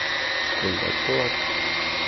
— Кондат тылат...